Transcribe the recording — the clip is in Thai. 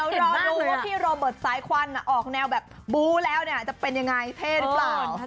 เดี๋ยวรอดูที่โรเบิร์ตไซควันออกแนวแบบบูแล้วจะเป็นอย่างไรเท่หรือเปล่า